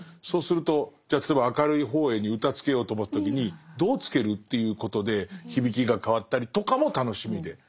そうするとじゃあ例えば「明るい方へ」に歌つけようと思った時にどうつける？っていうことで響きが変わったりとかも楽しみで。